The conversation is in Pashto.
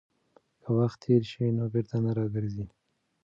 که وخت تېر شي نو بېرته نه راګرځي.